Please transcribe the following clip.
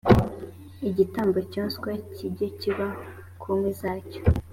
igitambo cyoswa kijye kiba ku nkwi zacyo